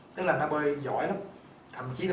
tức là nó bơi giỏi lắm thậm chí là